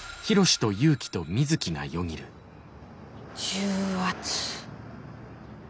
重圧。